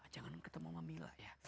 jangan ketemu mama mila ya